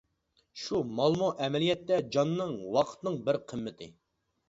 شۇ مالمۇ ئەمەلىيەتتە جاننىڭ، ۋاقىتنىڭ بىر قىممىتى.